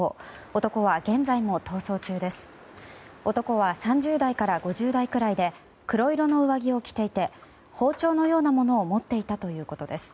男は３０代から５０代くらいで黒色の上着を着ていて包丁のようなものを持っていたということです。